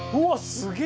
すげえ。